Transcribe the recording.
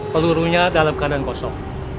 pelurunya dalam keadaan kosong